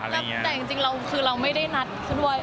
แต่จริงเราไม่ได้นัดด้วย